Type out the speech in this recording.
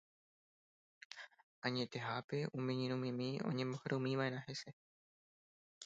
Añetehápe, umi iñirũmimi oñembohorýmiva'erã hese.